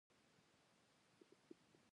فلم د رڼا پیغام دی